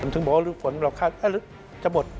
ถึงบอกว่ารูปฝนเราคาดจะหมด